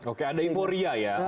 oke ada euforia ya